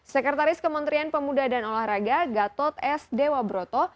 sekretaris kementerian pemuda dan olahraga gatot s dewabroto